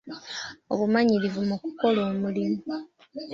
Obumanyirivu mu kukola omulimu.